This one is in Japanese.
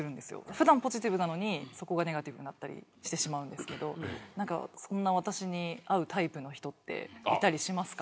普段ポジティブなのにそこがネガティブになったりしてしまうんですけど何かそんな私にいたりしますか？